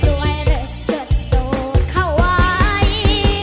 สวยเลิศชุดสูงเข้าไว้